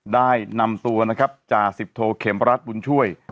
ได้นำตัวนะครับจ่าสิบโทเข็มรัฐบุญช่วย